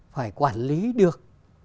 phải quản lý được